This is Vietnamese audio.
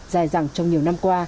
dài dặn trong nhiều năm qua